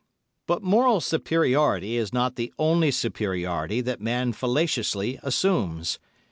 But moral superiority is not the only superiority that man fallaciously assumes.